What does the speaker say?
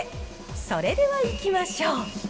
それではいきましょう。